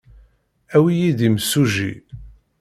Awi-iyi-d imsujji.